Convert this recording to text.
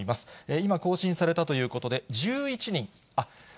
今、更新されたということで、１１人。